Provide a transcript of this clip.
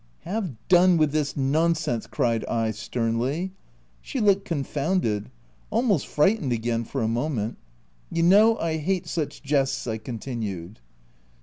u Have done with this nonsense !" cried I sternly. She looked confounded — almost fright ened again, for a moment. u You know I hate such jests/' I continued.